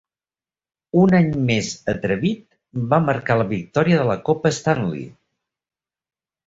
Un any més atrevit va marcar la victòria de la Copa Stanley.